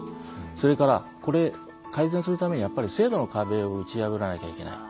それから、改善するためには制度の壁を打ち破らなきゃいけない。